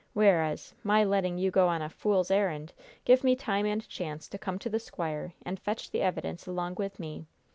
Whereas, my letting you go on a fool's errand give me time and chance to come to the squire and fetch the evidence along with me.